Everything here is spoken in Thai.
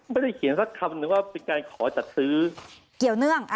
ไม่ได้เขียนสักคำถึงว่าเป็นการขอจัดซื้อ